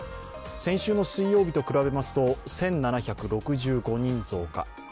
先週の水曜日と比べますと１７６５人増加。